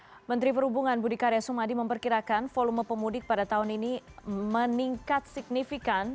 menteri perhubungan budi karya sumadi memperkirakan volume pemudik pada tahun ini meningkat signifikan